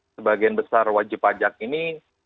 sebagian besar wajib pajak ini